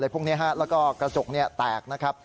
แล้วก็กระจกแตก